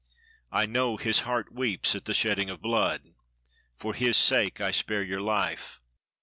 "I know his heart weeps at the shedding of blood. For his sake, I spare your life.